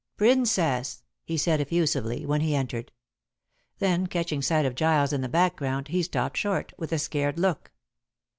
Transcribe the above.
"Princess!" he said effusively, when he entered. Then catching sight of Giles in the background, he stopped short with a scared look.